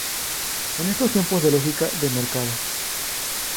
En estos tiempos de lógica de mercado